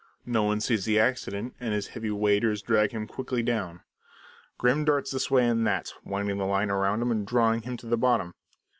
No one sees the accident, and his heavy waders drag him quickly down. Grim darts this way and that, winding the line round him and drawing him to the bottom.